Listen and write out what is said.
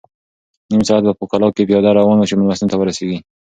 نیم ساعت به په کلا کې پیاده روان یې چې مېلمستون ته ورسېږې.